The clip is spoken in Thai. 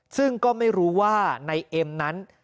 ซึ่งก็ไม่รู้ว่าในเอ็มนั้น